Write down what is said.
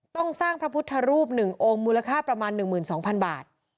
ต้องสร้างพระพุทธรูป๑องค์มูลค่าประมาณ๑๒๐๐๐บาท